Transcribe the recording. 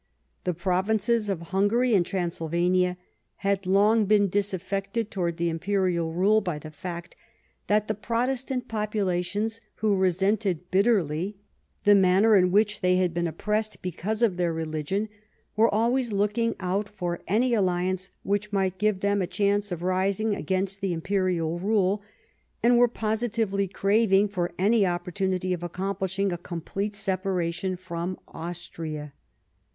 The provinces of Hungary and Transyl vania had long been disafiFected towards the imperial rule by the fact that the Protestant populations, who resented bitterly the manner in which they had been oppressed because of their religion, were always looking out for any alliance which might give them a chance of rising against the imperial rule, and were positively craving for any opportunity of accomplishing a com plete separation from Austria.